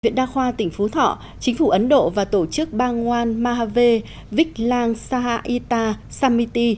viện đa khoa tỉnh phú thọ chính phủ ấn độ và tổ chức bangwan mahaveh vichlang sahaita samiti